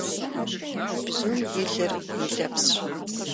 Бзум и лыр, и лэпсщ.